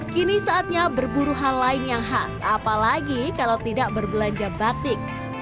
kini saatnya berburu hal lain yang khas apalagi kalau tidak berbelanja batik